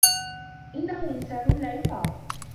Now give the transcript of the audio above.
إنّه إنسان لا يُطاق.